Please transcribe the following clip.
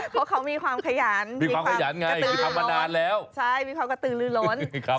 เพราะเค้ามีความขยันมีความกระตือรื้อโรน